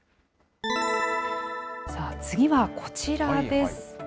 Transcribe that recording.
さあ、次はこちらです。